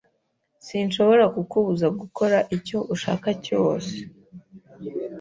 Sinshobora kukubuza gukora icyo ushaka cyose.